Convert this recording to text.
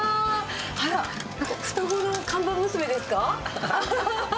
あら、なんか双子の看板娘ですか？